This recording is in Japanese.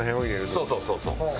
そうそうそうそう。